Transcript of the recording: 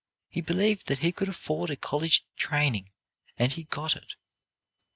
He believed that he could afford a college training and he got it.